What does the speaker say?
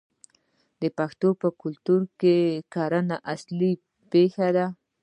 د پښتنو په کلتور کې کرنه اصلي پیشه ده.